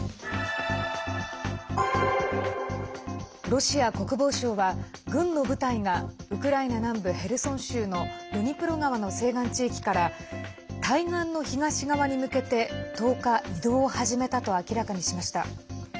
ロシア国防省は、軍の部隊がウクライナ南部ヘルソン州のドニプロ川の西岸地域から対岸の東側に向けて１０日、移動を始めたと明らかにしました。